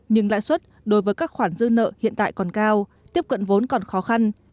nhưng lãi suất đối với các khoản dư nợ hiện tại còn cao tiếp cận vốn còn khó khăn